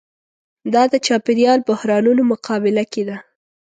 دا د چاپېریال بحرانونو مقابله کې ده.